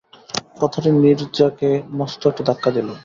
কথাটা নীরজাকে মস্ত একটা ধাক্কা দিলে।